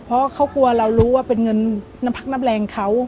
เพราะเขากลัวเรารู้ว่าเป็นเงินน้ำพักน้ำแรงเขา